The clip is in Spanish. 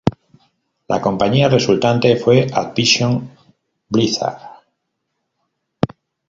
La compañía resultante fue Activision Blizzard.